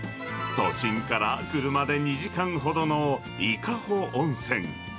都心から車で２時間ほどの伊香保温泉。